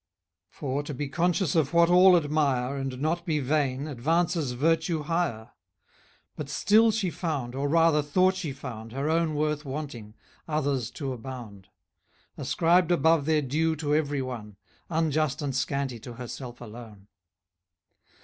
} For, to be conscious of what all admire, And not be vain, advances virtue higher. But still she found, or rather thought she found, Her own worth wanting, others' to abound; Ascribed above their due to every one, Unjust and scanty to herself alone.